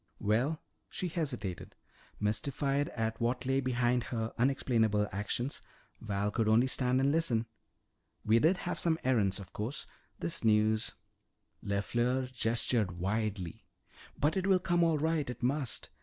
"Well " she hesitated. Mystified at what lay behind her unexplainable actions, Val could only stand and listen. "We did have some errands. Of course, this news " LeFleur gestured widely. "But it will come all right. It must.